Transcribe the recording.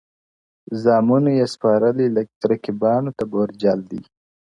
• زامنو یې سپارلی رقیبانو ته بورجل دی -